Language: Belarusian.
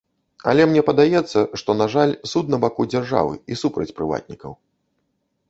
Але мне падаецца, што, на жаль, суд на баку дзяржавы і супраць прыватнікаў.